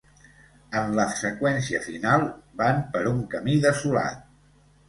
En la seqüència final van per un camí desolat.